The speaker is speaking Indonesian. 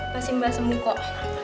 pasti mbak sembuh kok